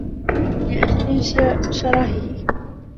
لِأَجْلِ شَرَهِهِ